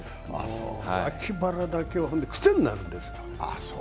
脇腹だけはくせになるんです。